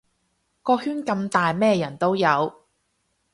個圈咁大咩人都有